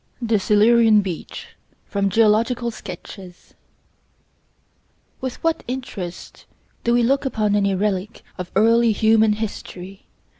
THE SILURIAN BEACH From 'Geological Sketches' With what interest do we look upon any relic of early human history!